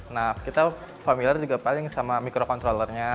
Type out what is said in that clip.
nah kita familiar juga paling sama microcontrollernya